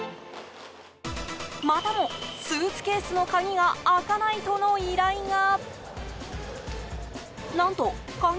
またも、スーツケースの鍵が開かないとの依頼が。